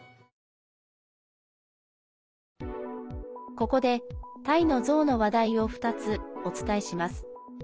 ここで、タイの象の話題を２つお伝えします。